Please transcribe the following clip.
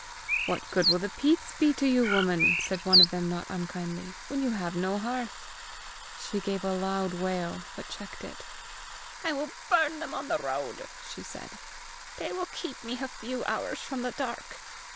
"What good will the peats be to you, woman," said one of them not unkindly, "when you have no hearth?" She gave a loud wail, but checked it. "I will burn them on the road," she said. "They will keep me a few hours from the dark!